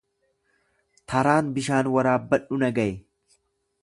Taraan bishaan waraabbadhu, na gaye.